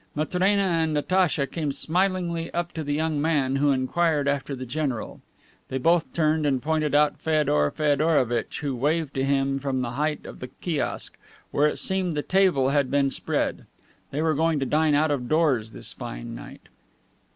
Matrena and Natacha came smilingly up to the young man, who inquired after the general. They both turned and pointed out Feodor Feodorovitch, who waved to him from the height of the kiosk, where it seemed the table had been spread. They were going to dine out of doors this fine night.